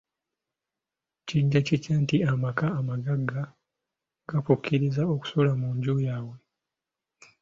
Kijja kitya nti amaka amagagga gakukirizza okusula munju yaabwe?